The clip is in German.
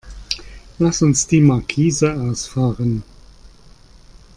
Lass uns die Markise ausfahren.